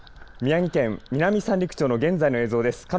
宮城県南三陸町の現在の映像です。